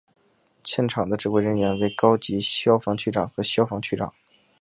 现场的指挥人员为高级消防区长和消防区长。